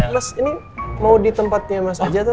mas ini mau di tempatnya mas aja tuh